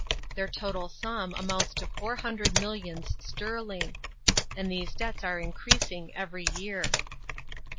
Their total sum amounts to four hundred millions sterling, and these debts are increasing every year."